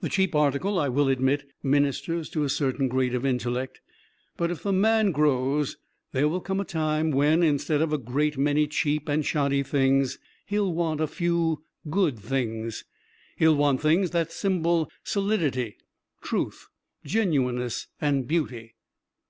The cheap article, I will admit, ministers to a certain grade of intellect; but if the man grows, there will come a time when, instead of a great many cheap and shoddy things, he will want a few good things. He will want things that symbol solidity, truth, genuineness and beauty.